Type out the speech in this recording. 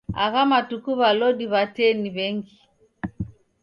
Agha matuku w'alodi w'a tee ni w'engi